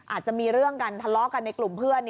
อาจจะมีเรื่องกันทะเลาะกันในกลุ่มเพื่อน